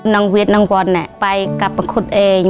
น้องเวียดน้องวนไปกับมังคุศเอง